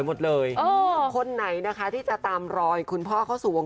หัวข้อเดียวที่ทุกคนก็ห่วง